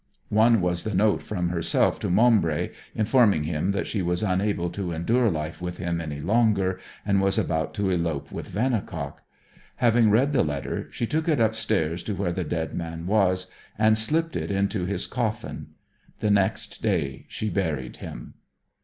One was the note from herself to Maumbry, informing him that she was unable to endure life with him any longer and was about to elope with Vannicock. Having read the letter she took it upstairs to where the dead man was, and slipped it into his coffin. The next day she buried him.